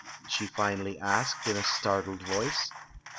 " she finally asked, in a startled voice.